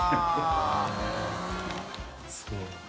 すごい。